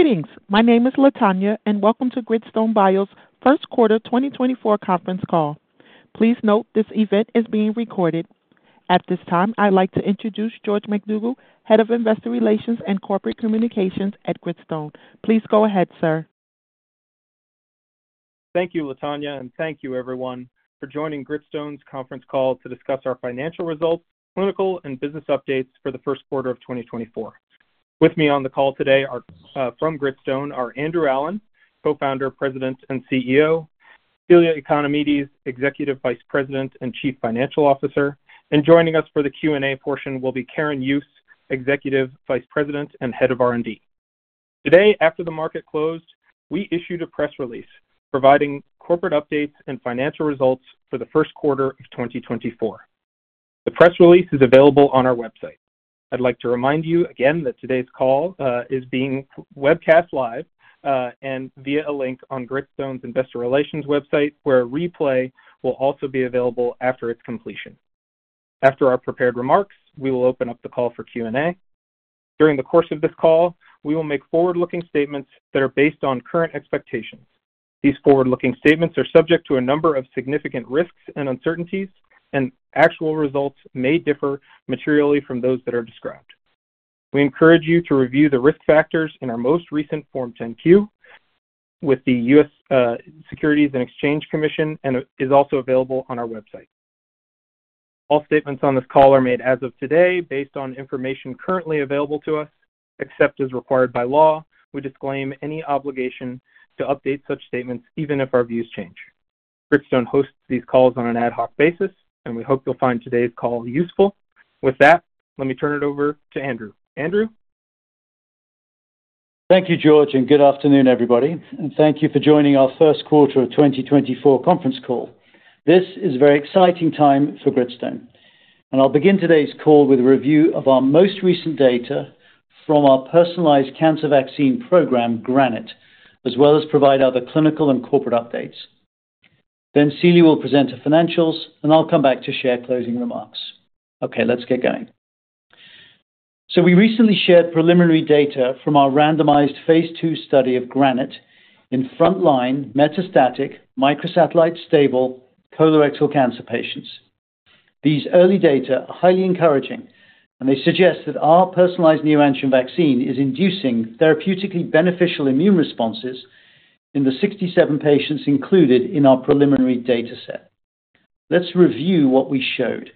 Greetings! My name is Latonya, and welcome to Gritstone Bio's first quarter 2024 conference call. Please note, this event is being recorded. At this time, I'd like to introduce George MacDougall, Head of Investor Relations and Corporate Communications at Gritstone Bio. Please go ahead, sir. Thank you, Latonya, and thank you everyone for joining Gritstone's conference call to discuss our financial results, clinical, and business updates for the first quarter of 2024. With me on the call today are, from Gritstone, are Andrew Allen, Co-founder, President, and CEO, Celia Economides, Executive Vice President and Chief Financial Officer, and joining us for the Q&A portion will be Karin Jooss, Executive Vice President and Head of R&D. Today, after the market closed, we issued a press release providing corporate updates and financial results for the first quarter of 2024. The press release is available on our website. I'd like to remind you again that today's call is being webcast live and via a link on Gritstone's Investor Relations website, where a replay will also be available after its completion. After our prepared remarks, we will open up the call for Q&A. During the course of this call, we will make forward-looking statements that are based on current expectations. These forward-looking statements are subject to a number of significant risks and uncertainties, and actual results may differ materially from those that are described. We encourage you to review the risk factors in our most recent Form 10-Q with the U.S. Securities and Exchange Commission, and it is also available on our website. All statements on this call are made as of today, based on information currently available to us. Except as required by law, we disclaim any obligation to update such statements, even if our views change. Gritstone hosts these calls on an ad hoc basis, and we hope you'll find today's call useful. With that, let me turn it over to Andrew. Andrew? Thank you, George, and good afternoon, everybody, and thank you for joining our first quarter of 2024 conference call. This is a very exciting time for Gritstone, and I'll begin today's call with a review of our most recent data from our personalized cancer vaccine program, GRANITE, as well as provide other clinical and corporate updates. Then Celia will present the financials, and I'll come back to share closing remarks. Okay, let's get going. So we recently shared preliminary data from our randomized phase II study of GRANITE in frontline metastatic microsatellite stable colorectal cancer patients. These early data are highly encouraging, and they suggest that our personalized neoantigen vaccine is inducing therapeutically beneficial immune responses in the 67 patients included in our preliminary dataset. Let's review what we showed.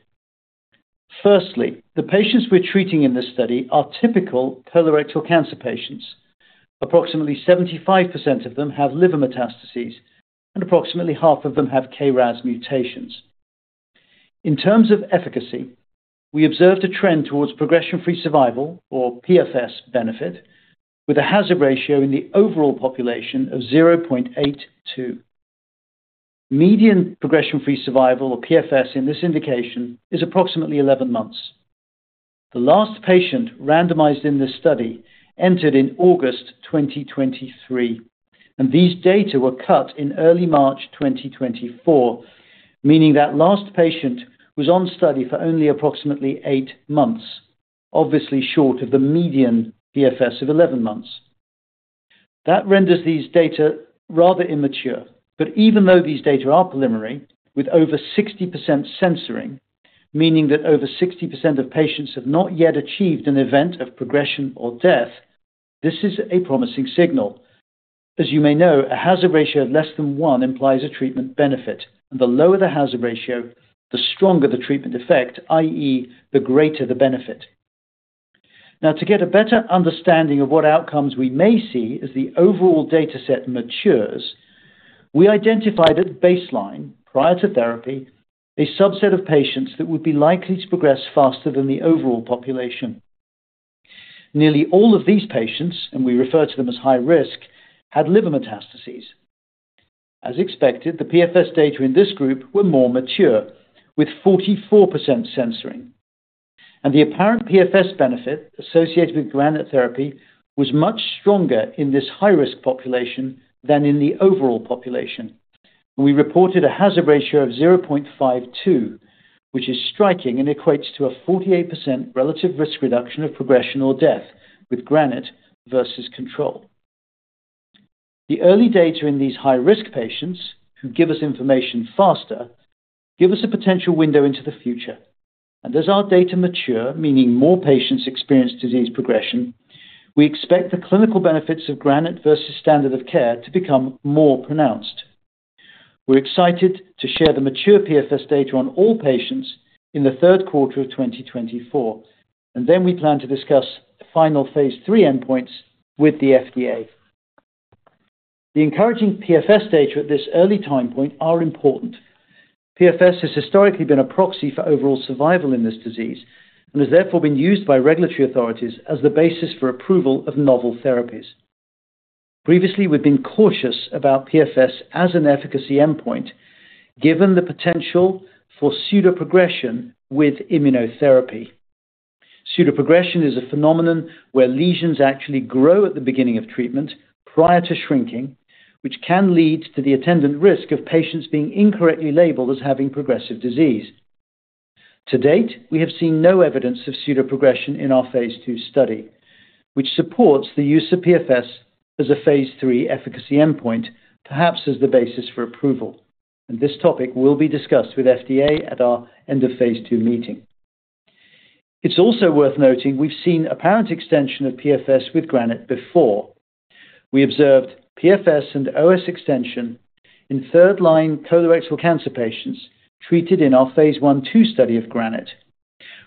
Firstly, the patients we're treating in this study are typical colorectal cancer patients. Approximately 75% of them have liver metastases, and approximately half of them have KRAS mutations. In terms of efficacy, we observed a trend towards progression-free survival or PFS benefit, with a hazard ratio in the overall population of 0.82. Median progression-free survival, or PFS, in this indication is approximately 11 months. The last patient randomized in this study entered in August 2023, and these data were cut in early March 2024, meaning that last patient was on study for only approximately 8 months, obviously short of the median PFS of 11 months. That renders these data rather immature, but even though these data are preliminary, with over 60% censoring, meaning that over 60% of patients have not yet achieved an event of progression or death, this is a promising signal. As you may know, a hazard ratio of less than one implies a treatment benefit. The lower the hazard ratio, the stronger the treatment effect, i.e., the greater the benefit. Now, to get a better understanding of what outcomes we may see as the overall dataset matures, we identified at baseline, prior to therapy, a subset of patients that would be likely to progress faster than the overall population. Nearly all of these patients, and we refer to them as high risk, had liver metastases. As expected, the PFS data in this group were more mature, with 44% censoring, and the apparent PFS benefit associated with GRANITE therapy was much stronger in this high-risk population than in the overall population. We reported a hazard ratio of 0.52, which is striking and equates to a 48% relative risk reduction of progression or death with GRANITE versus control. The early data in these high-risk patients, who give us information faster, give us a potential window into the future, and as our data mature, meaning more patients experience disease progression, we expect the clinical benefits of GRANITE versus standard of care to become more pronounced. We're excited to share the mature PFS data on all patients in the third quarter of 2024, and then we plan to discuss final phase III endpoints with the FDA. The encouraging PFS data at this early time point are important. PFS has historically been a proxy for overall survival in this disease and has therefore been used by regulatory authorities as the basis for approval of novel therapies. Previously, we've been cautious about PFS as an efficacy endpoint, given the potential for pseudoprogression with immunotherapy. Pseudoprogression is a phenomenon where lesions actually grow at the beginning of treatment prior to shrinking, which can lead to the attendant risk of patients being incorrectly labeled as having progressive disease. To date, we have seen no evidence of pseudoprogression in our phase II study, which supports the use of PFS as a phase III efficacy endpoint, perhaps as the basis for approval, and this topic will be discussed with FDA at our end of phase II meeting. It's also worth noting we've seen apparent extension of PFS with GRANITE before. We observed PFS and OS extension in third-line colorectal cancer patients treated in our phase I/II study of GRANITE,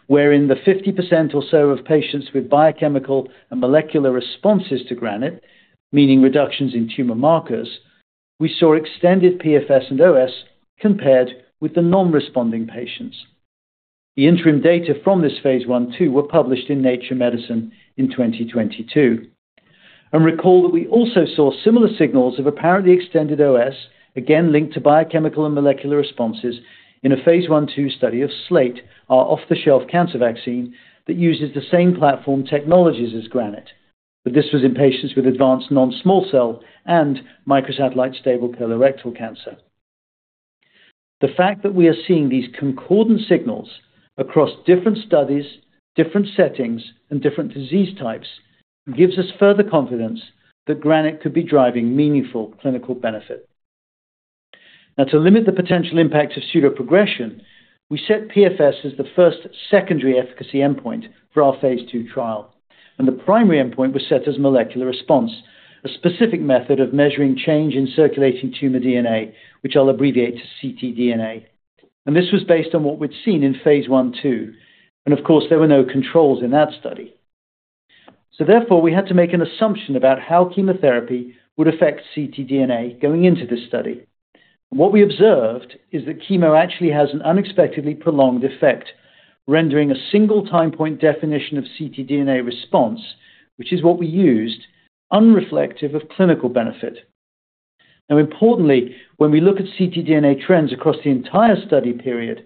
wherein the 50% or so of patients with biochemical and molecular responses to GRANITE, meaning reductions in tumor markers, we saw extended PFS and OS compared with the non-responding patients. The interim data from this phase I/II were published in Nature Medicine in 2022. Recall that we also saw similar signals of apparently extended OS, again, linked to biochemical and molecular responses in phase I/II study of SLATE, our off-the-shelf cancer vaccine, that uses the same platform technologies as GRANITE. But this was in patients with advanced non-small cell and microsatellite stable colorectal cancer. The fact that we are seeing these concordant signals across different studies, different settings, and different disease types, gives us further confidence that GRANITE could be driving meaningful clinical benefit. Now, to limit the potential impact of pseudoprogression, we set PFS as the first secondary efficacy endpoint for our phase II trial, and the primary endpoint was set as molecular response, a specific method of measuring change in circulating tumor DNA, which I'll abbreviate to ctDNA. This was based on what we'd seen in phase I/II, and of course, there were no controls in that study. Therefore, we had to make an assumption about how chemotherapy would affect ctDNA going into this study. What we observed is that chemo actually has an unexpectedly prolonged effect, rendering a single time point definition of ctDNA response, which is what we used, unreflective of clinical benefit. Now importantly, when we look at ctDNA trends across the entire study period,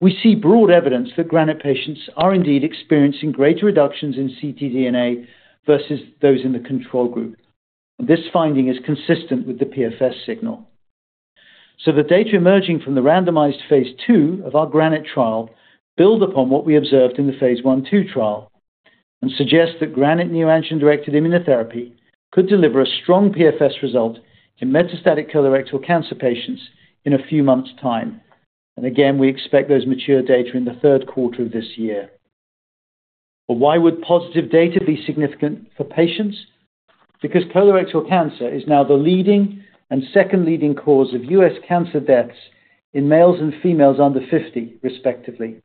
we see broad evidence that GRANITE patients are indeed experiencing greater reductions in ctDNA versus those in the control group. This finding is consistent with the PFS signal. So the data emerging from the randomized phase II of our GRANITE trial build upon what we observed in phase I/II trial and suggest that GRANITE neoantigen-directed immunotherapy could deliver a strong PFS result in metastatic colorectal cancer patients in a few months' time. And again, we expect those mature data in the third quarter of this year. But why would positive data be significant for patients? Because colorectal cancer is now the leading and second leading cause of U.S. cancer deaths in males and females under 50, respectively,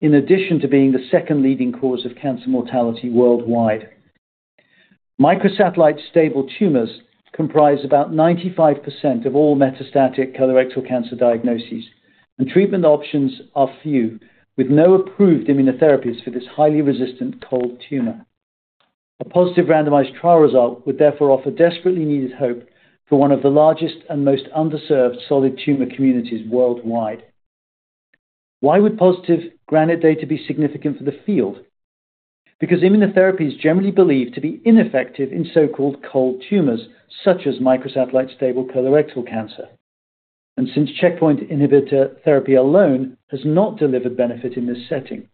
in addition to being the second leading cause of cancer mortality worldwide. Microsatellite stable tumors comprise about 95% of all metastatic colorectal cancer diagnoses, and treatment options are few, with no approved immunotherapies for this highly resistant cold tumor. A positive randomized trial result would therefore offer desperately needed hope for one of the largest and most underserved solid tumor communities worldwide. Why would positive GRANITE data be significant for the field? Because immunotherapy is generally believed to be ineffective in so-called cold tumors, such as microsatellite stable colorectal cancer, and since checkpoint inhibitor therapy alone has not delivered benefit in this setting.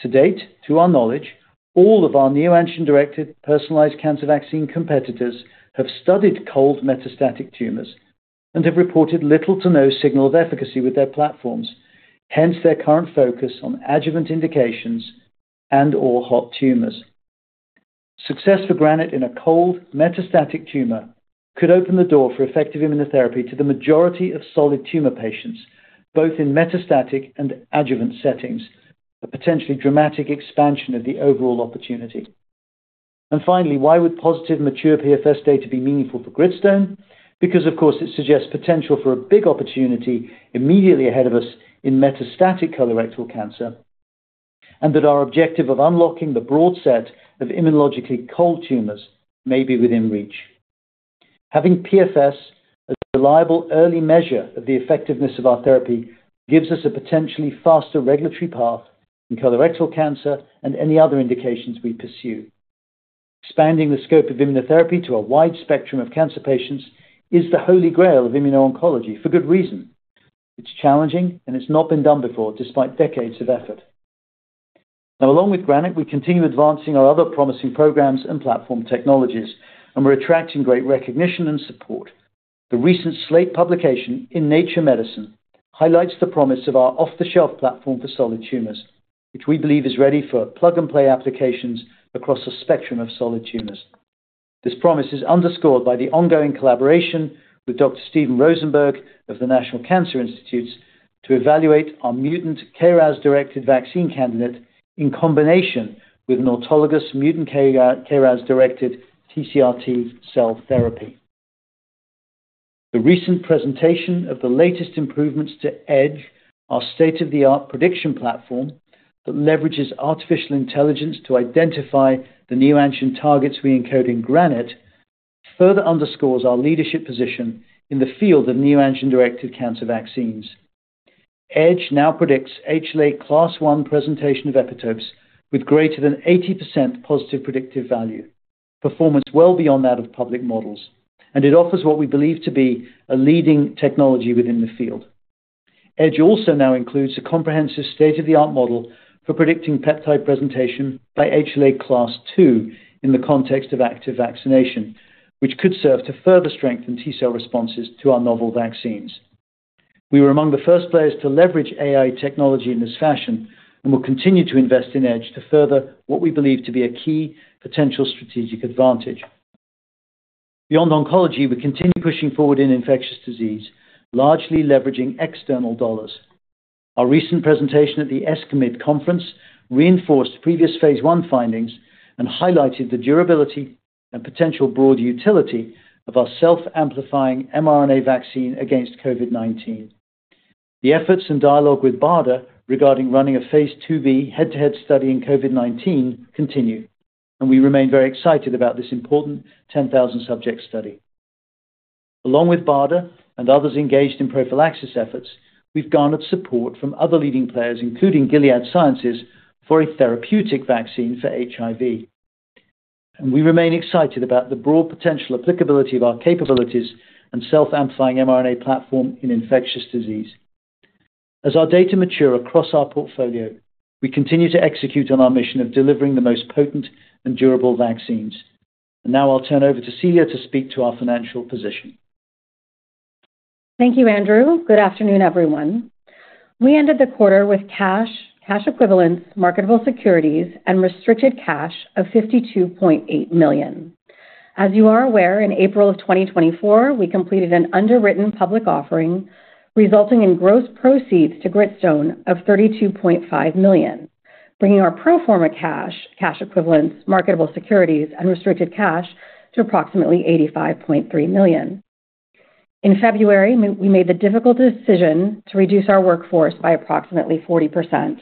To date, to our knowledge, all of our neoantigen-directed personalized cancer vaccine competitors have studied cold metastatic tumors and have reported little to no signal of efficacy with their platforms, hence their current focus on adjuvant indications and/or hot tumors. Success for GRANITE in a cold metastatic tumor could open the door for effective immunotherapy to the majority of solid tumor patients, both in metastatic and adjuvant settings, a potentially dramatic expansion of the overall opportunity. And finally, why would positive mature PFS data be meaningful for Gritstone? Because, of course, it suggests potential for a big opportunity immediately ahead of us in metastatic colorectal cancer, and that our objective of unlocking the broad set of immunologically cold tumors may be within reach. Having PFS, a reliable early measure of the effectiveness of our therapy, gives us a potentially faster regulatory path in colorectal cancer and any other indications we pursue. Expanding the scope of immunotherapy to a wide spectrum of cancer patients is the holy grail of immuno-oncology for good reason. It's challenging, and it's not been done before, despite decades of effort. Now, along with GRANITE, we continue advancing our other promising programs and platform technologies, and we're attracting great recognition and support. The recent SLATE publication in Nature Medicine highlights the promise of our off-the-shelf platform for solid tumors, which we believe is ready for plug-and-play applications across a spectrum of solid tumors. This promise is underscored by the ongoing collaboration with Dr. Steven Rosenberg of the National Cancer Institute to evaluate our mutant KRAS-directed vaccine candidate in combination with an autologous mutant KRAS-directed TCR-T cell therapy. The recent presentation of the latest improvements to EDGE, our state-of-the-art prediction platform that leverages artificial intelligence to identify the neoantigen targets we encode in GRANITE, further underscores our leadership position in the field of neoantigen-directed cancer vaccines. EDGE now predicts HLA class I presentation of epitopes with greater than 80% positive predictive value, performance well beyond that of public models, and it offers what we believe to be a leading technology within the field. EDGE also now includes a comprehensive state-of-the-art model for predicting peptide presentation by HLA Class II in the context of active vaccination, which could serve to further strengthen T-cell responses to our novel vaccines. We were among the first players to leverage AI technology in this fashion, and we'll continue to invest in EDGE to further what we believe to be a key potential strategic advantage. Beyond oncology, we're continuing pushing forward in infectious disease, largely leveraging external dollars. Our recent presentation at the ESCMID conference reinforced previous phase I findings and highlighted the durability and potential broad utility of our self-amplifying mRNA vaccine against COVID-19. The efforts and dialogue with BARDA regarding running a phase II-B head-to-head study in COVID-19 continue, and we remain very excited about this important 10,000-subject study. Along with BARDA and others engaged in prophylaxis efforts, we've garnered support from other leading players, including Gilead Sciences, for a therapeutic vaccine for HIV. We remain excited about the broad potential applicability of our capabilities and self-amplifying mRNA platform in infectious disease. As our data mature across our portfolio, we continue to execute on our mission of delivering the most potent and durable vaccines. Now I'll turn over to Celia to speak to our financial position. Thank you, Andrew. Good afternoon, everyone. We ended the quarter with cash, cash equivalents, marketable securities, and restricted cash of $52.8 million. As you are aware, in April 2024, we completed an underwritten public offering, resulting in gross proceeds to Gritstone of $32.5 million, bringing our pro forma cash, cash equivalents, marketable securities, and restricted cash to approximately $85.3 million. In February, we made the difficult decision to reduce our workforce by approximately 40%.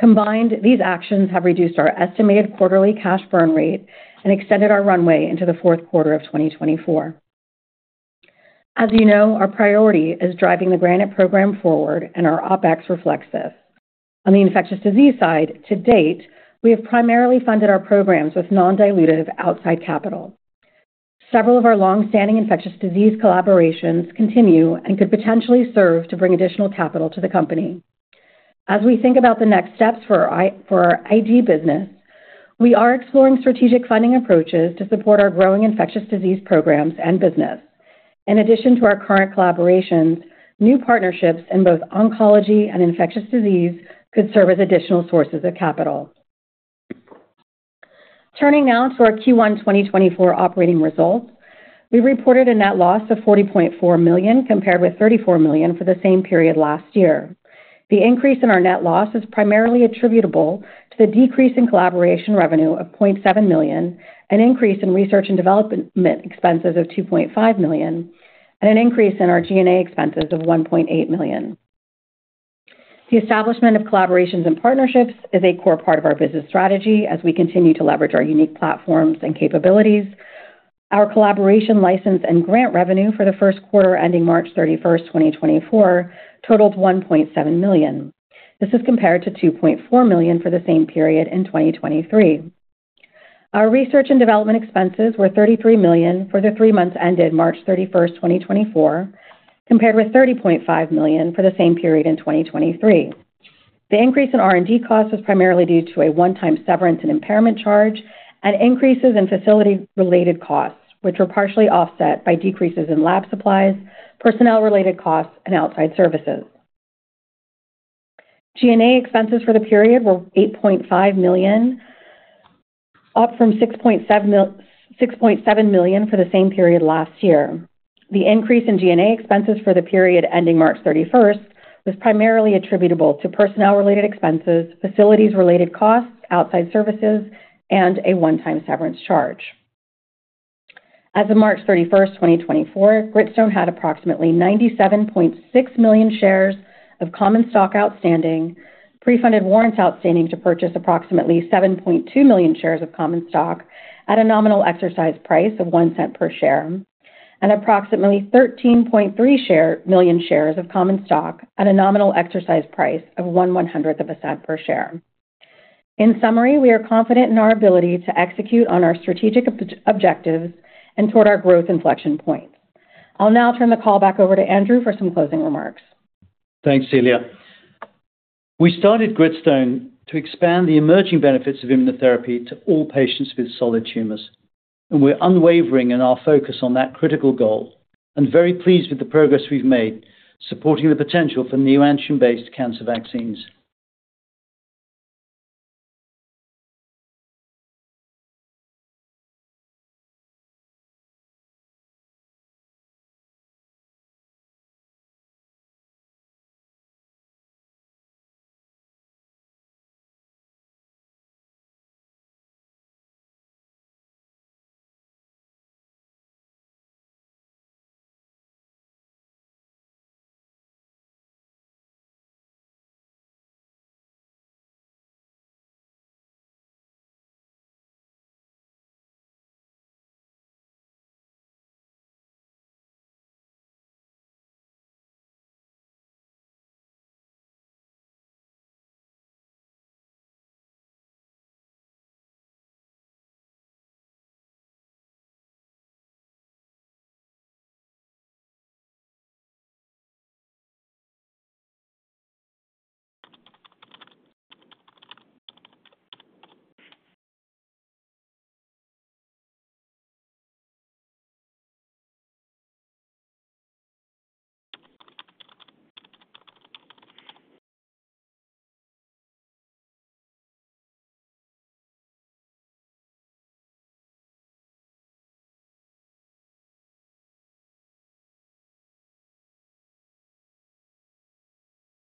Combined, these actions have reduced our estimated quarterly cash burn rate and extended our runway into the fourth quarter of 2024. As you know, our priority is driving the GRANITE program forward, and our OpEx reflects this. On the infectious disease side, to date, we have primarily funded our programs with non-dilutive outside capital. Several of our long-standing infectious disease collaborations continue and could potentially serve to bring additional capital to the company. As we think about the next steps for our ID business, we are exploring strategic funding approaches to support our growing infectious disease programs and business. In addition to our current collaborations, new partnerships in both oncology and infectious disease could serve as additional sources of capital. Turning now to our Q1 2024 operating results. We reported a net loss of $40.4 million, compared with $34 million for the same period last year. The increase in our net loss is primarily attributable to the decrease in collaboration revenue of $0.7 million, an increase in research and development expenses of $2.5 million, and an increase in our G&A expenses of $1.8 million. The establishment of collaborations and partnerships is a core part of our business strategy as we continue to leverage our unique platforms and capabilities. Our collaboration, license, and grant revenue for the first quarter ending March 31st, 2024, totaled $1.7 million. This is compared to $2.4 million for the same period in 2023. Our research and development expenses were $33 million for the three months ended March 31st, 2024, compared with $30.5 million for the same period in 2023. The increase in R&D costs was primarily due to a one-time severance and impairment charge and increases in facility-related costs, which were partially offset by decreases in lab supplies, personnel-related costs, and outside services. G&A expenses for the period were $8.5 million, up from $6.7 million for the same period last year. The increase in G&A expenses for the period ending March 31st was primarily attributable to personnel-related expenses, facilities-related costs, outside services, and a one-time severance charge. As of March 31st, 2024, Gritstone had approximately 97.6 million shares of common stock outstanding, pre-funded warrants outstanding to purchase approximately 7.2 million shares of common stock at a nominal exercise price of $0.01 per share, and approximately 13.3 million shares of common stock at a nominal exercise price of $0.0001 per share. In summary, we are confident in our ability to execute on our strategic objectives and toward our growth inflection point. I'll now turn the call back over to Andrew for some closing remarks. Thanks, Celia. We started Gritstone to expand the emerging benefits of immunotherapy to all patients with solid tumors, and we're unwavering in our focus on that critical goal and very pleased with the progress we've made, supporting the potential for neoantigen-based cancer vaccines.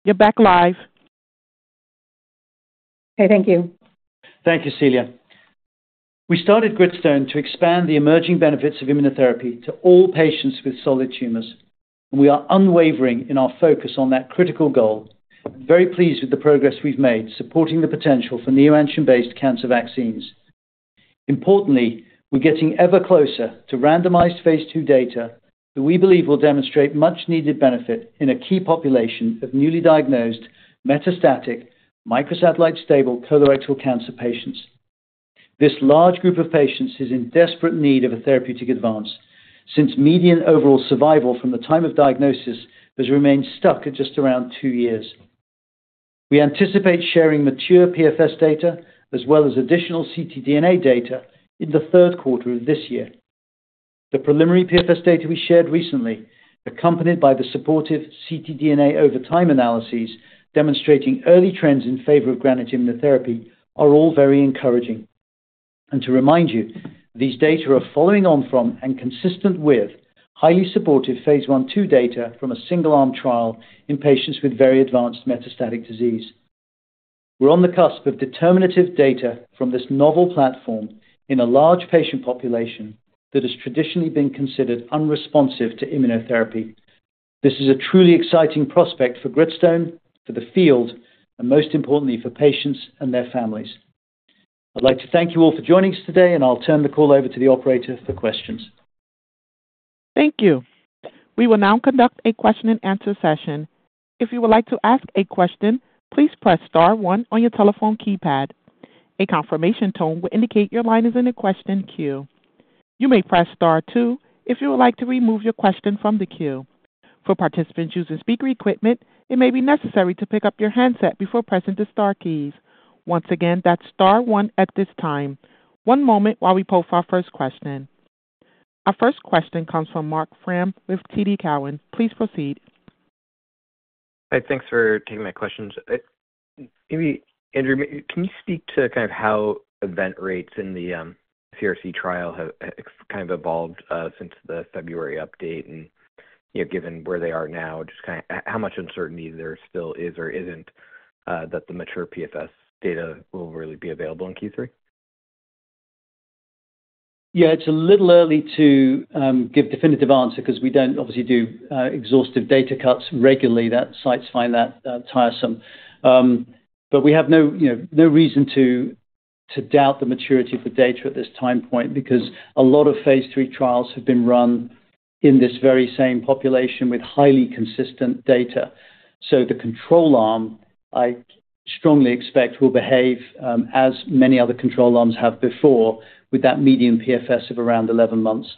You're back live. Okay, thank you. Thank you, Celia. We started Gritstone to expand the emerging benefits of immunotherapy to all patients with solid tumors. We are unwavering in our focus on that critical goal. Very pleased with the progress we've made, supporting the potential for neoantigen-based cancer vaccines. Importantly, we're getting ever closer to randomized phase II data, that we believe will demonstrate much needed benefit in a key population of newly diagnosed metastatic microsatellite stable colorectal cancer patients. This large group of patients is in desperate need of a therapeutic advance, since median overall survival from the time of diagnosis has remained stuck at just around two years. We anticipate sharing mature PFS data as well as additional ctDNA data in the third quarter of this year. The preliminary PFS data we shared recently, accompanied by the supportive ctDNA over time analyses, demonstrating early trends in favor of GRANITE immunotherapy, are all very encouraging. To remind you, these data are following on from, and consistent with, highly supportive phase I/II data from a single-arm trial in patients with very advanced metastatic disease. We're on the cusp of determinative data from this novel platform in a large patient population that has traditionally been considered unresponsive to immunotherapy. This is a truly exciting prospect for Gritstone, for the field, and most importantly, for patients and their families. I'd like to thank you all for joining us today, and I'll turn the call over to the operator for questions. Thank you. We will now conduct a question-and-answer session. If you would like to ask a question, please press star one on your telephone keypad. A confirmation tone will indicate your line is in the question queue. You may press star two if you would like to remove your question from the queue. For participants using speaker equipment, it may be necessary to pick up your handset before pressing the star keys. Once again, that's star one at this time. One moment while we poll for our first question. Our first question comes from Marc Frahm with TD Cowen. Please proceed. Hi, thanks for taking my questions. Maybe, Andrew, can you speak to kind of how event rates in the CRC trial have kind of evolved since the February update? You know, given where they are now, just kind of how much uncertainty there still is or isn't that the mature PFS data will really be available in Q3? Yeah, it's a little early to give definitive answer, 'cause we don't obviously do exhaustive data cuts regularly, that sites find that tiresome. But we have no, you know, no reason to doubt the maturity of the data at this time point, because a lot of phase III trials have been run in this very same population with highly consistent data. So the control arm, I strongly expect, will behave as many other control arms have before, with that median PFS of around 11 months.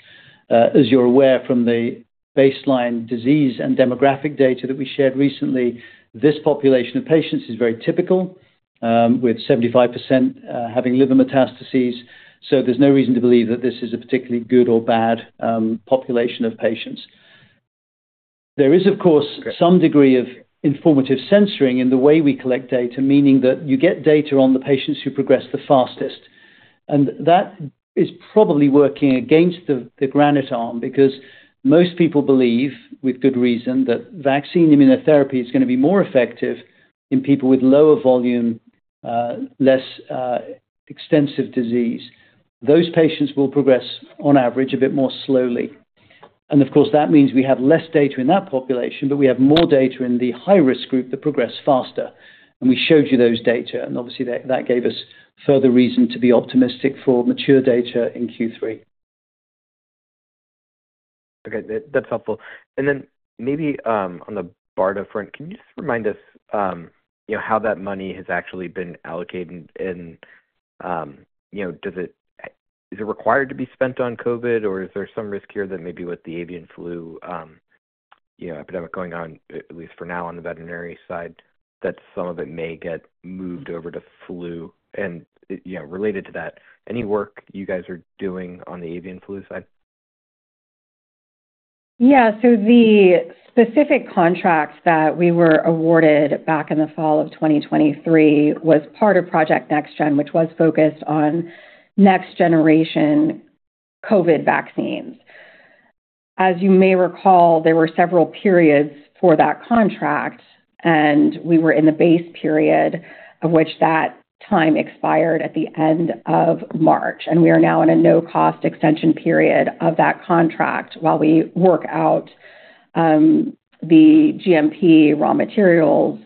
As you're aware from the baseline disease and demographic data that we shared recently, this population of patients is very typical, with 75% having liver metastases. So there's no reason to believe that this is a particularly good or bad population of patients. There is, of course, some degree of informative censoring in the way we collect data, meaning that you get data on the patients who progress the fastest, and that is probably working against the GRANITE arm because most people believe, with good reason, that vaccine immunotherapy is gonna be more effective in people with lower volume, less extensive disease. Those patients will progress on average a bit more slowly. And of course, that means we have less data in that population, but we have more data in the high-risk group that progress faster. And we showed you those data, and obviously, that gave us further reason to be optimistic for mature data in Q3. Okay, that, that's helpful. And then maybe, on the BARDA front, can you just remind us, you know, how that money has actually been allocated? And, you know, does it, is it required to be spent on COVID, or is there some risk here that maybe with the avian flu, you know, epidemic going on, at least for now, on the veterinary side, that some of it may get moved over to flu? And, you know, related to that, any work you guys are doing on the avian flu side? Yeah. So the specific contracts that we were awarded back in the fall of 2023 was part of Project NextGen, which was focused on next generation COVID vaccines. As you may recall, there were several periods for that contract, and we were in the base period of which that time expired at the end of March. And we are now in a no-cost extension period of that contract while we work out, the GMP raw materials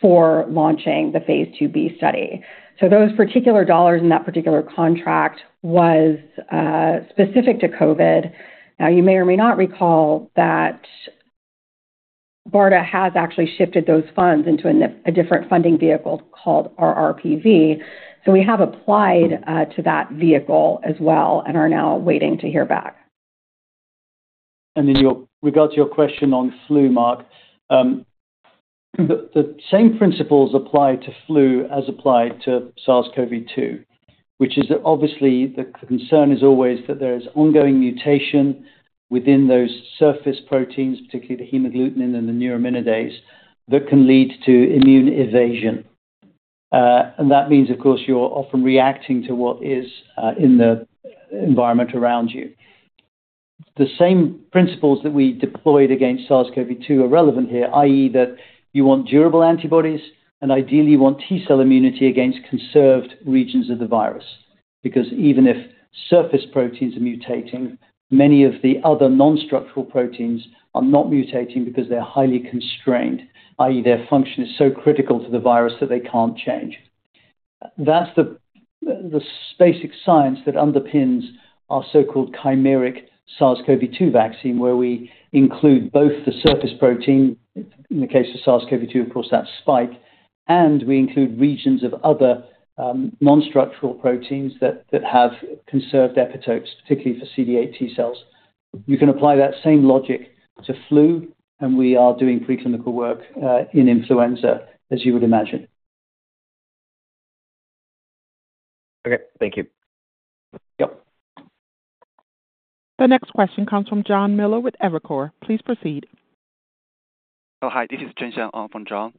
for launching the phase II-B study. So those particular dollars in that particular contract was, specific to COVID. Now, you may or may not recall BARDA has actually shifted those funds into a different funding vehicle called RRPV. So we have applied, to that vehicle as well and are now waiting to hear back. In regards to your question on flu, Marc, the same principles apply to flu as applied to SARS-CoV-2, which is obviously the concern is always that there is ongoing mutation within those surface proteins, particularly the hemagglutinin and the neuraminidase, that can lead to immune evasion. And that means, of course, you're often reacting to what is in the environment around you. The same principles that we deployed against SARS-CoV-2 are relevant here, i.e., that you want durable antibodies and ideally, you want T-cell immunity against conserved regions of the virus. Because even if surface proteins are mutating, many of the other non-structural proteins are not mutating because they're highly constrained, i.e., their function is so critical to the virus that they can't change. That's the basic science that underpins our so-called chimeric SARS-CoV-2 vaccine, where we include both the surface protein, in the case of SARS-CoV-2, of course, that's spike, and we include regions of other non-structural proteins that have conserved epitopes, particularly for CD8 T-cells. You can apply that same logic to flu, and we are doing preclinical work in influenza, as you would imagine. Okay, thank you. Yep. The next question comes from Jon Miller with Evercore. Please proceed. Oh, hi, this is Chenxiang on for Jon.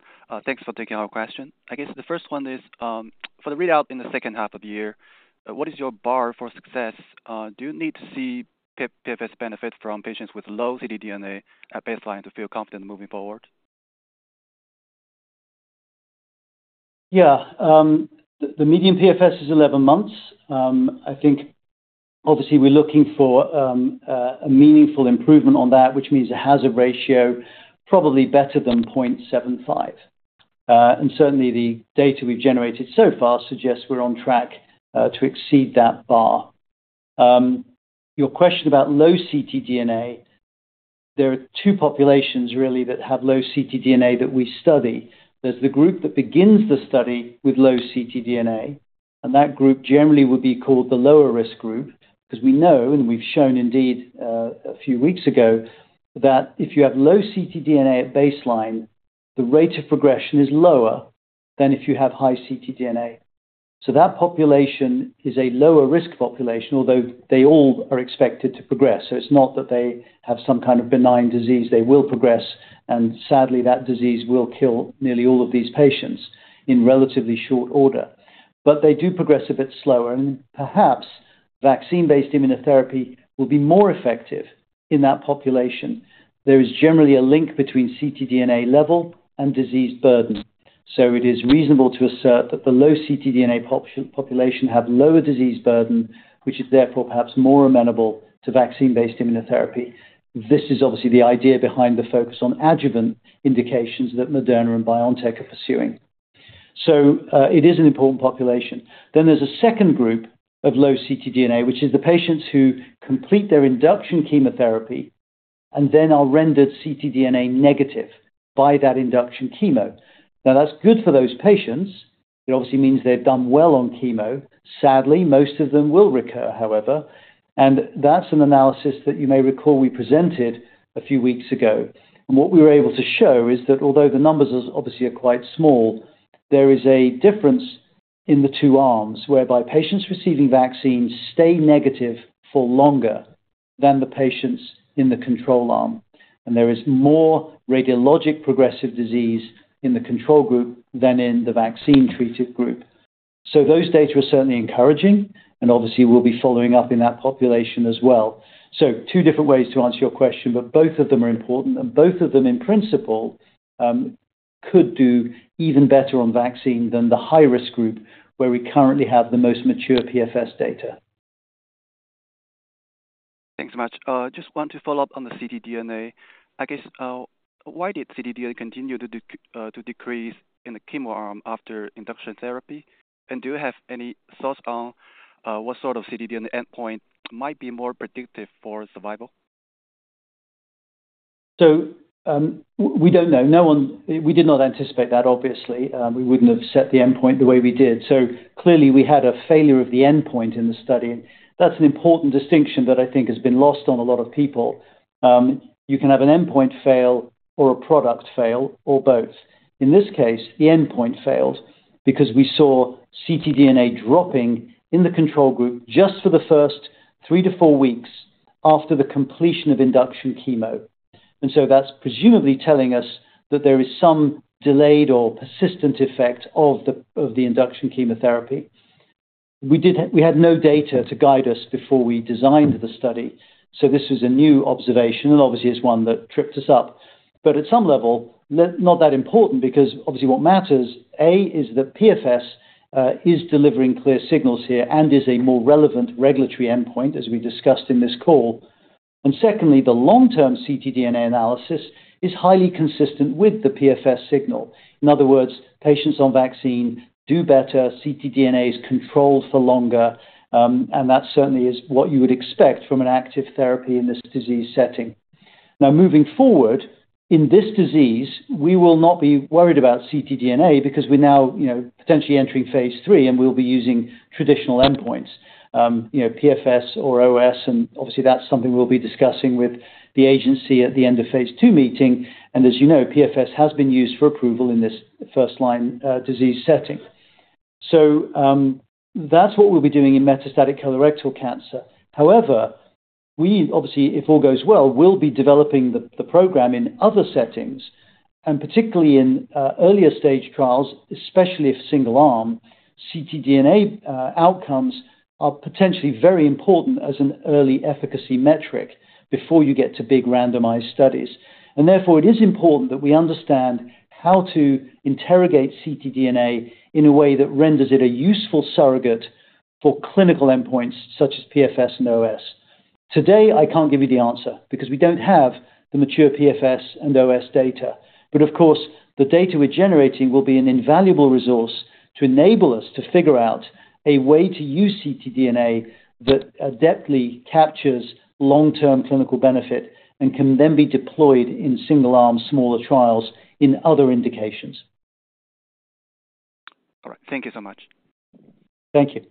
Thanks for taking our question. I guess the first one is, for the readout in the second half of the year, what is your bar for success? Do you need to see PFS benefit from patients with low ctDNA at baseline to feel confident moving forward? Yeah, the median PFS is 11 months. I think obviously we're looking for a meaningful improvement on that, which means it has a ratio probably better than 0.75. And certainly the data we've generated so far suggests we're on track to exceed that bar. Your question about low ctDNA, there are two populations really that have low ctDNA that we study. There's the group that begins the study with low ctDNA, and that group generally would be called the lower risk group. Because we know, and we've shown indeed a few weeks ago, that if you have low ctDNA at baseline, the rate of progression is lower than if you have high ctDNA. So that population is a lower risk population, although they all are expected to progress. So it's not that they have some kind of benign disease, they will progress, and sadly, that disease will kill nearly all of these patients in relatively short order. But they do progress a bit slower, and perhaps vaccine-based immunotherapy will be more effective in that population. There is generally a link between ctDNA level and disease burden. So it is reasonable to assert that the low ctDNA population have lower disease burden, which is therefore perhaps more amenable to vaccine-based immunotherapy. This is obviously the idea behind the focus on adjuvant indications that Moderna and BioNTech are pursuing. So, it is an important population. Then there's a second group of low ctDNA, which is the patients who complete their induction chemotherapy and then are rendered ctDNA negative by that induction chemo. Now, that's good for those patients. It obviously means they've done well on chemo. Sadly, most of them will recur, however, and that's an analysis that you may recall we presented a few weeks ago. What we were able to show is that although the numbers is obviously are quite small, there is a difference in the two arms, whereby patients receiving vaccines stay negative for longer than the patients in the control arm. There is more radiologic progressive disease in the control group than in the vaccine-treated group. Those data are certainly encouraging, and obviously, we'll be following up in that population as well. Two different ways to answer your question, but both of them are important, and both of them, in principle, could do even better on vaccine than the high-risk group, where we currently have the most mature PFS data. Thanks so much. Just want to follow up on the ctDNA. I guess, why did ctDNA continue to decrease in the chemo arm after induction therapy? And do you have any thoughts on, what sort of ctDNA endpoint might be more predictive for survival? So, we don't know. No one... We did not anticipate that obviously. We wouldn't have set the endpoint the way we did. So clearly, we had a failure of the endpoint in the study. That's an important distinction that I think has been lost on a lot of people. You can have an endpoint fail or a product fail or both. In this case, the endpoint failed because we saw ctDNA dropping in the control group just for the first 3-4 weeks after the completion of induction chemo. And so that's presumably telling us that there is some delayed or persistent effect of the induction chemotherapy. We had no data to guide us before we designed the study, so this was a new observation, and obviously, it's one that tripped us up. But at some level, not, not that important, because obviously what matters, A, is that PFS is delivering clear signals here and is a more relevant regulatory endpoint, as we discussed in this call. And secondly, the long-term ctDNA analysis is highly consistent with the PFS signal. In other words, patients on vaccine do better, ctDNA is controlled for longer, and that certainly is what you would expect from an active therapy in this disease setting. Now, moving forward, in this disease, we will not be worried about ctDNA because we're now, you know, potentially entering phase III, and we'll be using traditional endpoints, you know, PFS or OS, and obviously that's something we'll be discussing with the agency at the end of phase II meeting. And as you know, PFS has been used for approval in this first-line disease setting. So, that's what we'll be doing in metastatic colorectal cancer. However, we obviously, if all goes well, will be developing the program in other settings, and particularly in earlier-stage trials, especially if single-arm, ctDNA outcomes are potentially very important as an early efficacy metric before you get to big randomized studies. And therefore, it is important that we understand how to interrogate ctDNA in a way that renders it a useful surrogate for clinical endpoints such as PFS and OS. Today, I can't give you the answer because we don't have the mature PFS and OS data. But of course, the data we're generating will be an invaluable resource to enable us to figure out a way to use ctDNA that adeptly captures long-term clinical benefit and can then be deployed in single-arm, smaller trials in other indications. All right. Thank you so much. Thank you.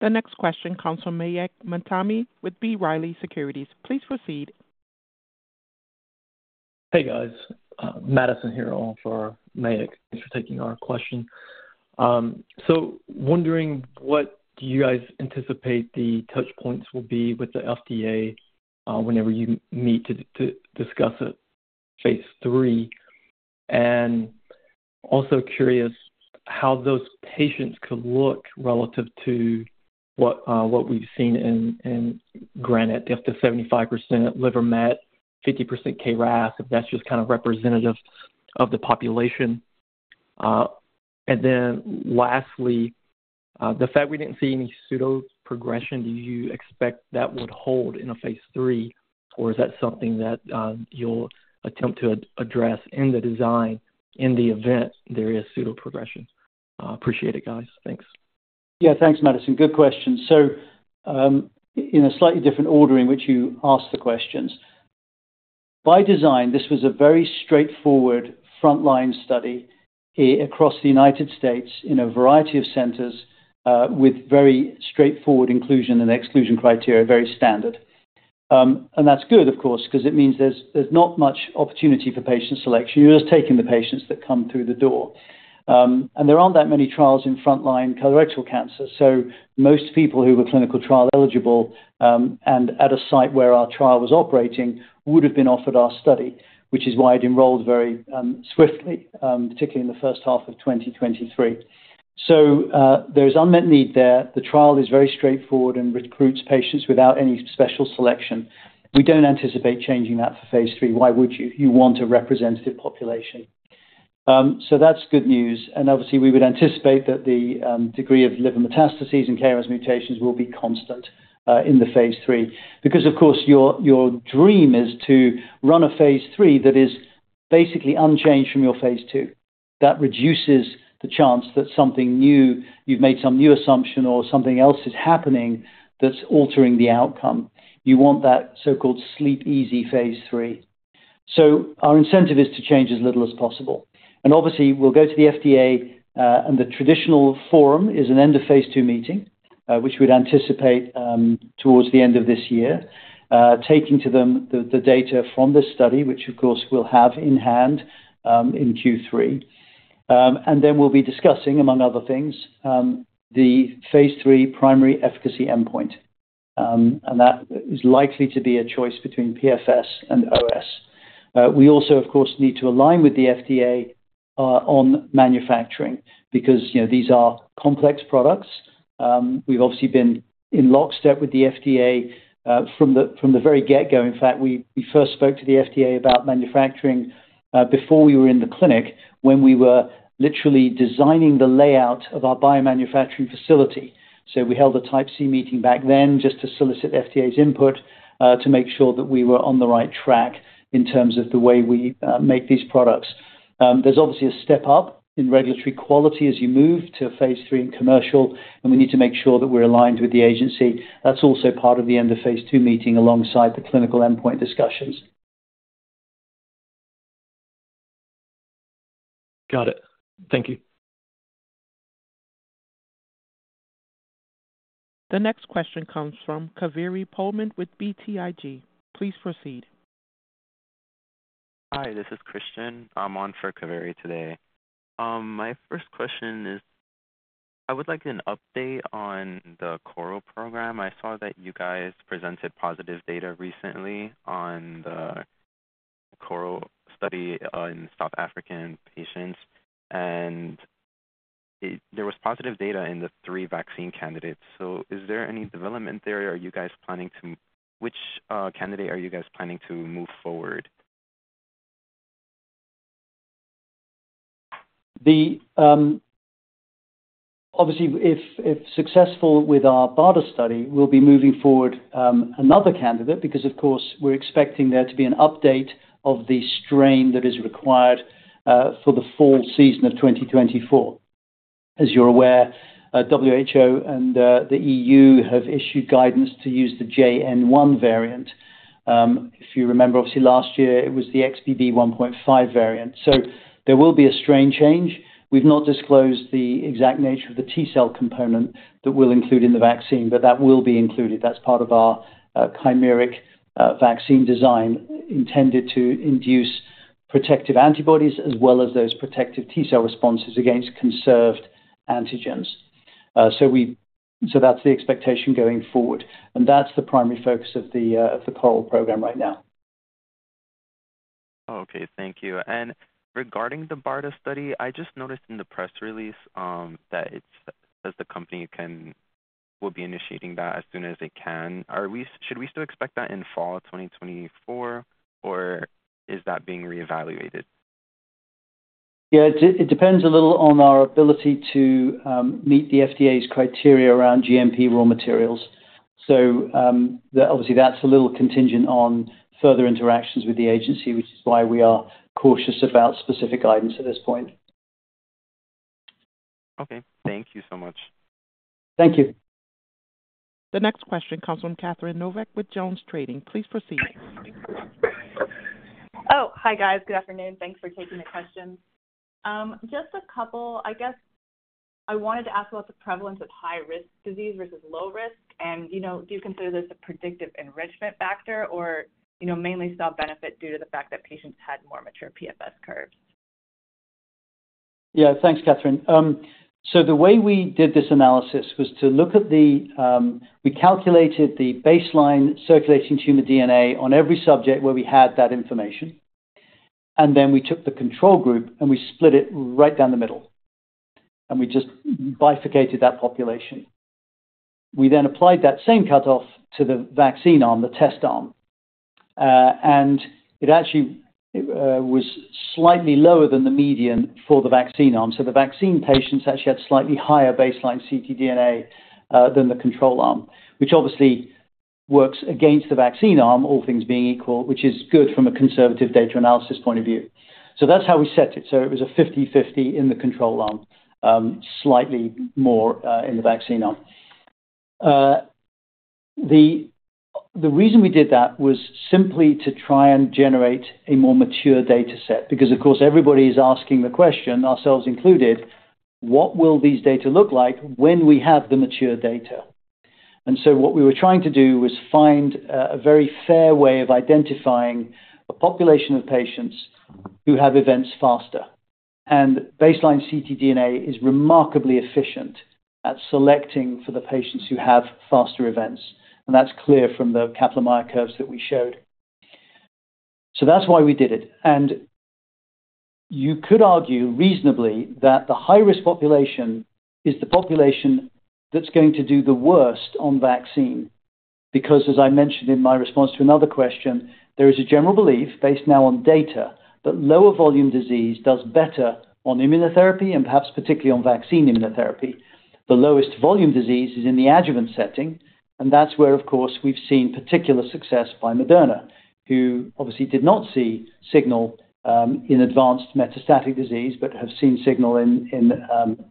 The next question comes from Mayank Mamtani with B. Riley Securities. Please proceed. Hey, guys, Madison here on for Mayank. Thanks for taking our question. So wondering, what do you guys anticipate the touch points will be with the FDA, whenever you meet to discuss a phase III? And also curious how those patients could look relative to what we've seen in GRANITE, up to 75% liver met, 50% KRAS, if that's just kind of representative of the population. And then lastly, the fact we didn't see any pseudoprogression, do you expect that would hold in a phase III, or is that something that you'll attempt to address in the design in the event there is pseudoprogression? Appreciate it, guys. Thanks. Yeah, thanks, Madison. Good question. So, in a slightly different order in which you asked the questions. By design, this was a very straightforward frontline study across the United States in a variety of centers, with very straightforward inclusion and exclusion criteria, very standard. And that's good, of course, because it means there's, there's not much opportunity for patient selection. You're just taking the patients that come through the door. And there aren't that many trials in frontline colorectal cancer, so most people who were clinical trial eligible, and at a site where our trial was operating, would have been offered our study, which is why it enrolled very swiftly, particularly in the first half of 2023. So, there's unmet need there. The trial is very straightforward and recruits patients without any special selection. We don't anticipate changing that for phase III. Why would you? You want a representative population. So that's good news. And obviously, we would anticipate that the degree of liver metastases and KRAS mutations will be constant in the phase III. Because, of course, your dream is to run a phase III that is basically unchanged from your phase II. That reduces the chance that something new, you've made some new assumption or something else is happening that's altering the outcome. You want that so-called sleep easy phase III. So our incentive is to change as little as possible. And obviously, we'll go to the FDA, and the traditional forum is an end of phase II meeting, which we'd anticipate towards the end of this year. Taking to them the data from this study, which of course will have in hand in Q3. And then we'll be discussing, among other things, the phase III primary efficacy endpoint, and that is likely to be a choice between PFS and OS. We also, of course, need to align with the FDA on manufacturing because, you know, these are complex products. We've obviously been in lockstep with the FDA from the very get-go. In fact, we first spoke to the FDA about manufacturing before we were in the clinic, when we were literally designing the layout of our biomanufacturing facility. So we held a Type C meeting back then just to solicit the FDA's input, to make sure that we were on the right track in terms of the way we make these products. There's obviously a step up in regulatory quality as you move to phase III and commercial, and we need to make sure that we're aligned with the agency. That's also part of the end of phase II meeting, alongside the clinical endpoint discussions. Got it. Thank you. The next question comes from Kaveri Pohlman with BTIG. Please proceed. Hi, this is Christian. I'm on for Kaveri today. My first question is, I would like an update on the CORAL program. I saw that you guys presented positive data recently on the CORAL study on South African patients, and there was positive data in the three vaccine candidates. So is there any development there, or are you guys planning to—which candidate are you guys planning to move forward? Obviously, if successful with our BARDA study, we'll be moving forward another candidate, because of course, we're expecting there to be an update of the strain that is required for the fall season of 2024. As you're aware, WHO and the EU have issued guidance to use the JN.1 variant. If you remember, obviously last year it was the XBB.1.5 variant. So there will be a strain change. We've not disclosed the exact nature of the T-cell component that we'll include in the vaccine, but that will be included. That's part of our chimeric vaccine design, intended to induce protective antibodies as well as those protective T cell responses against conserved antigens. So that's the expectation going forward, and that's the primary focus of the CORAL program right now. Okay, thank you. Regarding the BARDA study, I just noticed in the press release that it says the company will be initiating that as soon as it can. Should we still expect that in fall of 2024, or is that being reevaluated? Yeah, it depends a little on our ability to meet the FDA's criteria around GMP raw materials. So, obviously, that's a little contingent on further interactions with the agency, which is why we are cautious about specific guidance at this point. Okay, thank you so much. Thank you. The next question comes from Catherine Novack with JonesTrading. Please proceed. Oh, hi, guys. Good afternoon. Thanks for taking the questions. Just a couple. I guess I wanted to ask about the prevalence of high-risk disease versus low risk. You know, do you consider this a predictive enrichment factor or, you know, mainly saw benefit due to the fact that patients had more mature PFS curves? Yeah. Thanks, Catherine. So the way we did this analysis was to look at the. We calculated the baseline circulating tumor DNA on every subject where we had that information, and then we took the control group, and we split it right down the middle, and we just bifurcated that population. We then applied that same cutoff to the vaccine arm, the test arm, and it actually was slightly lower than the median for the vaccine arm. So the vaccine patients actually had slightly higher baseline ctDNA than the control arm, which obviously works against the vaccine arm, all things being equal, which is good from a conservative data analysis point of view. So that's how we set it. So it was a 50/50 in the control arm, slightly more in the vaccine arm. The reason we did that was simply to try and generate a more mature data set, because, of course, everybody is asking the question, ourselves included, what will these data look like when we have the mature data? And so what we were trying to do was find a very fair way of identifying a population of patients who have events faster. And baseline ctDNA is remarkably efficient at selecting for the patients who have faster events, and that's clear from the Kaplan-Meier curves that we showed. So that's why we did it. And you could argue reasonably that the high-risk population is the population that's going to do the worst on vaccine. Because as I mentioned in my response to another question, there is a general belief, based now on data, that lower volume disease does better on immunotherapy and perhaps particularly on vaccine immunotherapy. The lowest volume disease is in the adjuvant setting, and that's where, of course, we've seen particular success by Moderna, who obviously did not see signal in advanced metastatic disease, but have seen signal in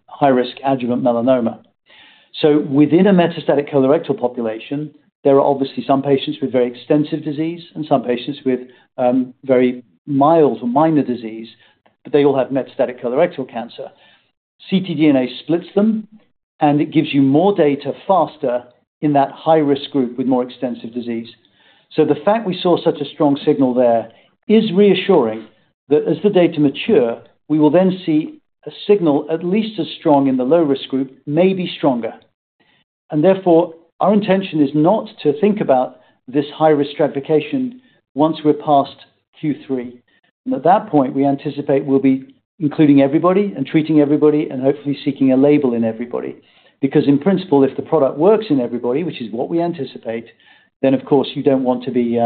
high-risk adjuvant melanoma. So within a metastatic colorectal population, there are obviously some patients with very extensive disease and some patients with very mild or minor disease, but they all have metastatic colorectal cancer. ctDNA splits them, and it gives you more data faster in that high-risk group with more extensive disease. So the fact we saw such a strong signal there is reassuring that as the data mature, we will then see a signal at least as strong in the low-risk group, maybe stronger. And therefore, our intention is not to think about this high-risk stratification once we're past Q3. At that point, we anticipate we'll be including everybody and treating everybody and hopefully seeking a label in everybody. Because in principle, if the product works in everybody, which is what we anticipate, then of course, you don't want to be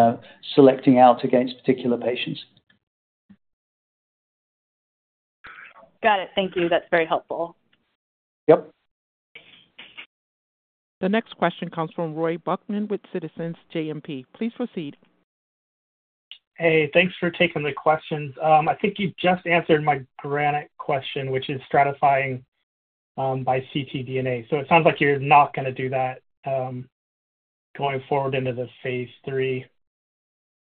selecting out against particular patients. Got it. Thank you. That's very helpful. Yep. The next question comes from Roy Buchanan with Citizens JMP. Please proceed. Hey, thanks for taking the questions. I think you just answered my GRANITE question, which is stratifying by ctDNA. So it sounds like you're not gonna do that going forward into the phase III.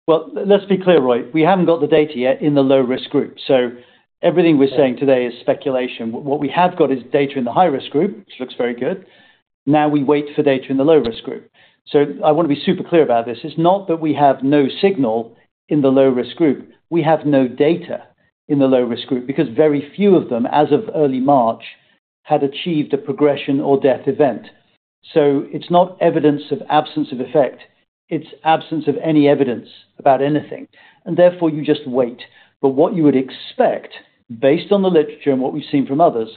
Well, let's be clear, Roy. We haven't got the data yet in the low-risk group, so everything we're saying today is speculation. What we have got is data in the high-risk group, which looks very good. Now we wait for data in the low-risk group. I want to be super clear about this. It's not that we have no signal in the low-risk group. We have no data in the low-risk group because very few of them, as of early March, had achieved a progression or death event. It's not evidence of absence of effect, it's absence of any evidence about anything, and therefore you just wait. What you would expect, based on the literature and what we've seen from others,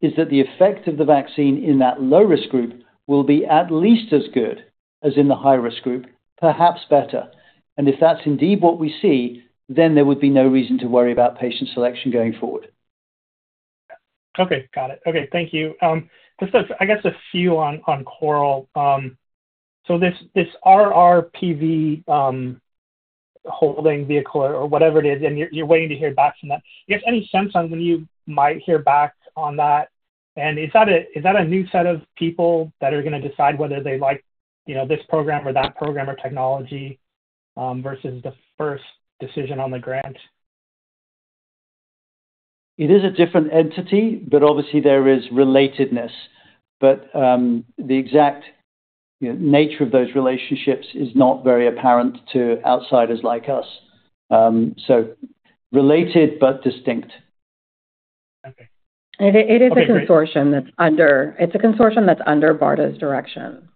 is that the effect of the vaccine in that low-risk group will be at least as good as in the high-risk group, perhaps better. If that's indeed what we see, then there would be no reason to worry about patient selection going forward. Okay, got it. Okay, thank you. Just a few on CORAL. So this, this RRPV, holding vehicle or whatever it is, and you're waiting to hear back from them. Do you have any sense on when you might hear back on that? And is that a new set of people that are gonna decide whether they like, you know, this program or that program or technology versus the first decision on the grant? It is a different entity, but obviously there is relatedness. But, the exact, you know, nature of those relationships is not very apparent to outsiders like us. So related but distinct. Okay. And it is- Okay, great. It's a consortium that's under BARDA's direction.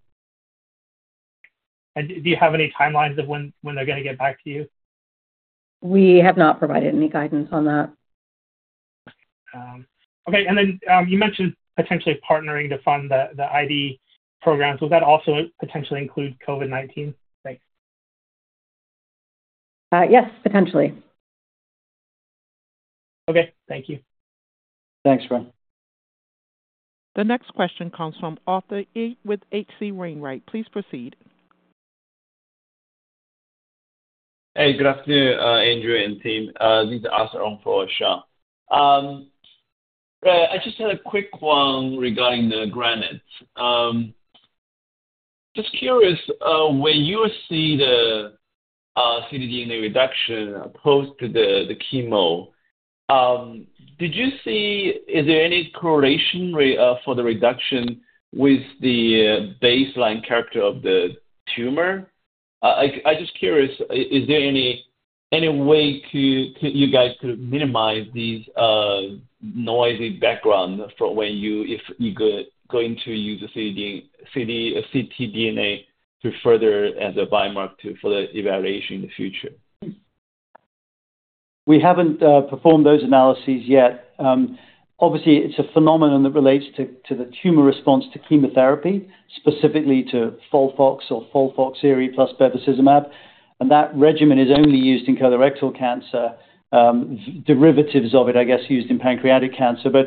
Do you have any timelines of when they're gonna get back to you? We have not provided any guidance on that. Okay. And then, you mentioned potentially partnering to fund the ID programs. Would that also potentially include COVID-19? Thanks. Yes, potentially. Okay. Thank you. Thanks, Roy. The next question comes from Arthur He with H.C. Wainwright. Please proceed. Hey, good afternoon, Andrew and team. This is Arthur on for Shaw. I just had a quick one regarding the GRANITE. Just curious, when you see the ctDNA reduction opposed to the chemo, did you see- is there any correlation re for the reduction with the baseline character of the tumor? I just curious, is there any way to you guys to minimize these noisy background for when you if you go going to use the ctDNA to further as a biomarker for the evaluation in the future? We haven't performed those analyses yet. Obviously, it's a phenomenon that relates to the tumor response to chemotherapy, specifically to FOLFOX or FOLFOXIRI plus bevacizumab. That regimen is only used in colorectal cancer, derivatives of it, I guess, used in pancreatic cancer. But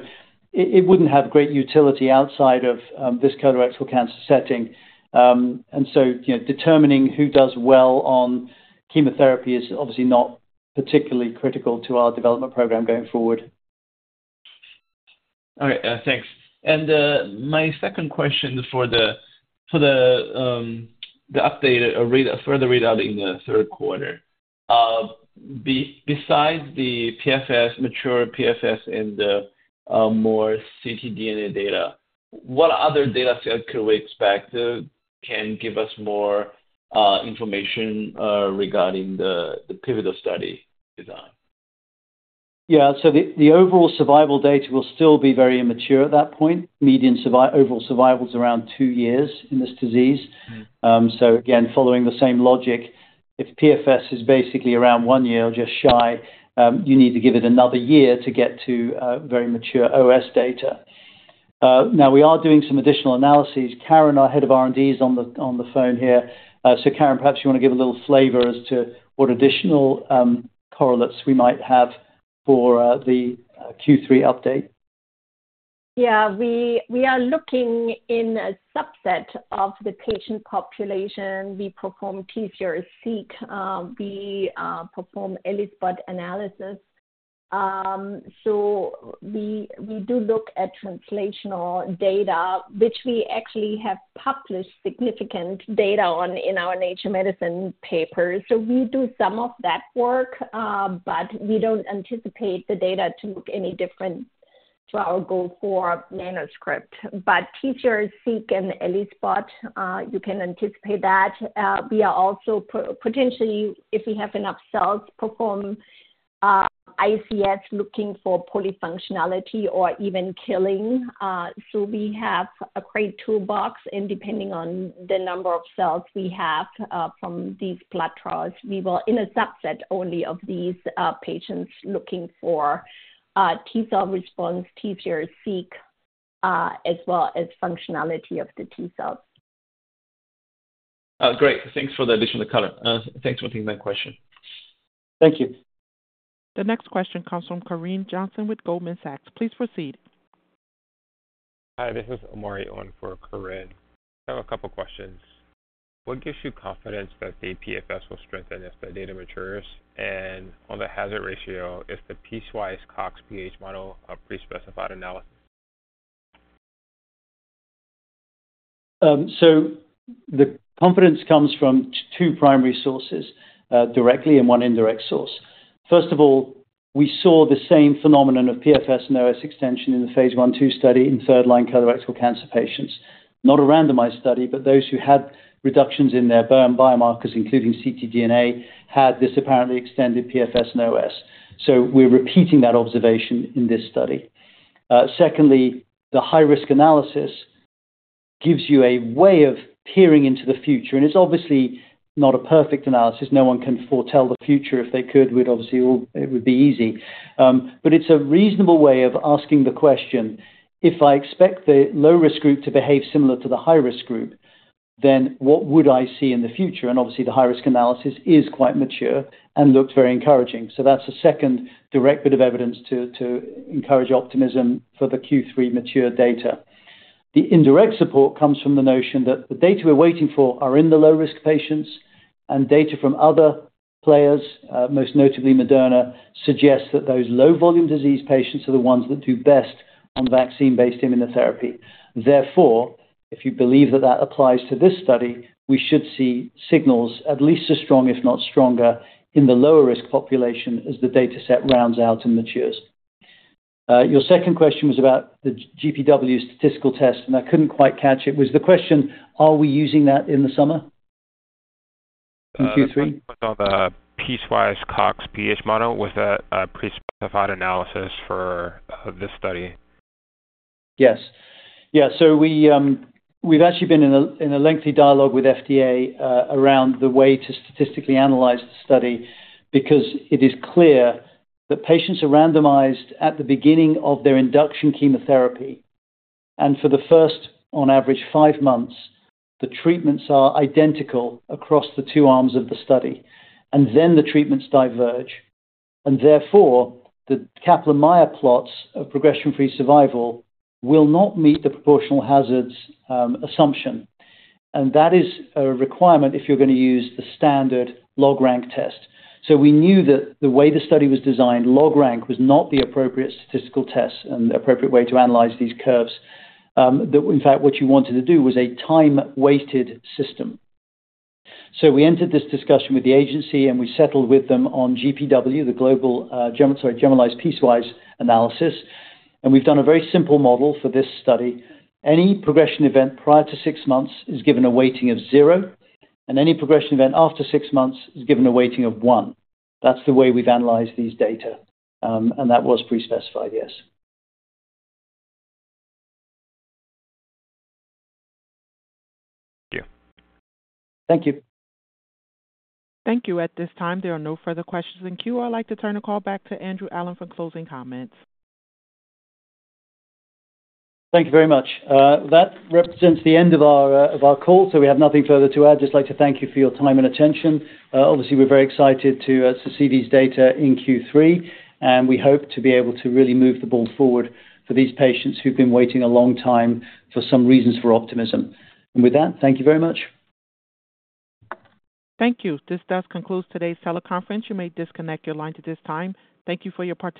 it wouldn't have great utility outside of this colorectal cancer setting. And so, you know, determining who does well on chemotherapy is obviously not particularly critical to our development program going forward. All right. Thanks. My second question for the update, a further readout in the third quarter. Besides the PFS, mature PFS and the more ctDNA data, what other data set could we expect, can give us more information regarding the pivotal study design? Yeah. So the overall survival data will still be very immature at that point. Median overall survival is around two years in this disease. Mm-hmm. So again, following the same logic, if PFS is basically around one year or just shy, you need to give it another year to get to very mature OS data. Now, we are doing some additional analyses. Karin, our head of R&D, is on the phone here. So, Karin, perhaps you want to give a little flavor as to what additional correlates we might have for the Q3 update? Yeah, we are looking in a subset of the patient population. We perform TCR-seq, we perform ELISpot analysis. So we do look at translational data, which we actually have published significant data on in our Nature Medicine paper. So we do some of that work, but we don't anticipate the data to look any different to our goal for manuscript. But TCR-seq and ELISpot, you can anticipate that. We are also potentially, if we have enough cells, perform ICS looking for polyfunctionality or even killing. So we have a great toolbox, and depending on the number of cells we have from these blood trials, we will, in a subset only of these patients, looking for T-cell response, TCR-seq, as well as functionality of the T-cells. Great. Thanks for the additional color. Thanks for taking my question. Thank you. The next question comes from Corinne Johnson with Goldman Sachs. Please proceed. Hi, this is Omari, on for Corinne. I have a couple questions. What gives you confidence that the PFS will strengthen as the data matures? And on the hazard ratio, is the piecewise Cox PH model a prespecified analysis? So the confidence comes from two primary sources, directly and one indirect source. First of all, we saw the same phenomenon of PFS and OS extension in phase I/II study in third-line colorectal cancer patients. Not a randomized study, but those who had reductions in their biomarkers, including ctDNA, had this apparently extended PFS and OS. So we're repeating that observation in this study. Secondly, the high-risk analysis gives you a way of peering into the future, and it's obviously not a perfect analysis. No one can foretell the future. If they could, we'd obviously all... It would be easy. But it's a reasonable way of asking the question, if I expect the low-risk group to behave similar to the high-risk group, then what would I see in the future? Obviously, the high-risk analysis is quite mature and looks very encouraging. That's the second direct bit of evidence to encourage optimism for the Q3 mature data... The indirect support comes from the notion that the data we're waiting for are in the low-risk patients, and data from other players, most notably Moderna, suggests that those low-volume disease patients are the ones that do best on vaccine-based immunotherapy. Therefore, if you believe that that applies to this study, we should see signals at least as strong, if not stronger, in the lower-risk population as the dataset rounds out and matures. Your second question was about the GPW statistical test, and I couldn't quite catch it. Was the question, are we using that in the summer, in Q3? The piecewise Cox PH model was a prespecified analysis for this study. Yes. Yeah, so we've actually been in a lengthy dialogue with FDA around the way to statistically analyze the study, because it is clear that patients are randomized at the beginning of their induction chemotherapy, and for the first, on average, five months, the treatments are identical across the two arms of the study, and then the treatments diverge. And therefore, the Kaplan-Meier plots of progression-free survival will not meet the proportional hazards assumption, and that is a requirement if you're going to use the standard log-rank test. So we knew that the way the study was designed, log-rank was not the appropriate statistical test and the appropriate way to analyze these curves. That in fact, what you wanted to do was a time-weighted system. So we entered this discussion with the agency, and we settled with them on GPW, the generalized piecewise analysis, and we've done a very simple model for this study. Any progression event prior to six months is given a weighting of zero, and any progression event after six months is given a weighting of one. That's the way we've analyzed these data, and that was prespecified, yes. Thank you. Thank you. Thank you. At this time, there are no further questions in queue. I'd like to turn the call back to Andrew Allen for closing comments. Thank you very much. That represents the end of our, of our call, so we have nothing further to add. Just like to thank you for your time and attention. Obviously, we're very excited to, to see these data in Q3, and we hope to be able to really move the ball forward for these patients who've been waiting a long time for some reasons for optimism. With that, thank you very much. Thank you. This does conclude today's teleconference. You may disconnect your line at this time. Thank you for your participation.